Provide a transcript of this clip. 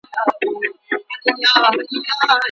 له نکاح څخه مراد صحيحه نکاح ده.